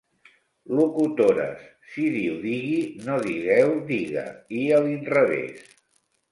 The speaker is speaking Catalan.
Locutores, si diu 'digui' no digueu 'diga', i a l'inrevès.